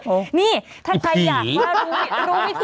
เออนี่ถ้าใครอยากว่ารู้อีผี